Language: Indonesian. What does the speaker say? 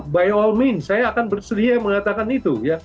by all means saya akan bersedia mengatakan itu ya